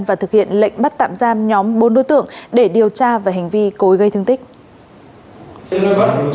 và thực hiện lệnh bắt tạm giam nhóm bốn đối tượng để điều tra về hành vi cối gây thương tích